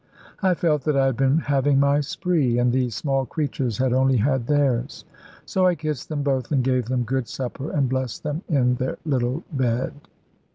I felt that I had been having my spree, and these small creatures had only had theirs. So I kissed them both, and gave them good supper, and blessed them into their little bed.